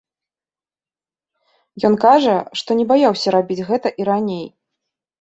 Ён кажа, што не баяўся рабіць гэта і раней.